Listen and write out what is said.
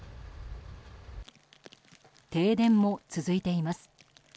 停電も続いています。